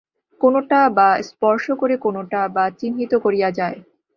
কোনোটা বা স্পর্শ করে, কোনোটা বা চিহ্নিত করিয়া যায়।